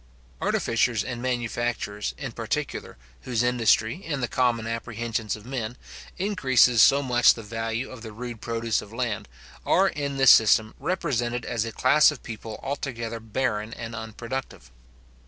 Artificers and manufacturers, in particular, whose industry, in the common apprehensions of men, increases so much the value of the rude produce of land, are in this system represented as a class of people altogether barren and unproductive.